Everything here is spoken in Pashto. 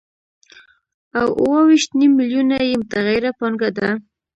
او اوه ویشت نیم میلیونه یې متغیره پانګه ده